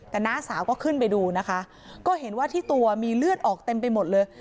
แต่น้าสาวก็ขึ้นไปดูนะคะก็เห็นว่าที่ตัวมีเลือดออกเต็มไปหมดเลย